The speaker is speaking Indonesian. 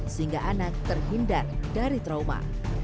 sehingga anak terhindar dari trauma